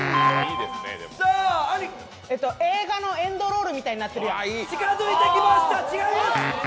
映画のエンドロールみたいになってるやん。